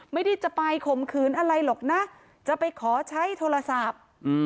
ไม่ได้จะไปข่มขืนอะไรหรอกนะจะไปขอใช้โทรศัพท์